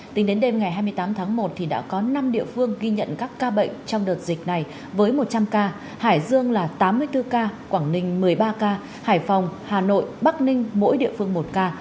tính đến đêm ngày hai mươi tám tháng một đã có năm địa phương ghi nhận các ca bệnh trong đợt dịch này với một trăm linh ca hải dương là tám mươi bốn ca quảng ninh một mươi ba ca hải phòng hà nội bắc ninh mỗi địa phương một ca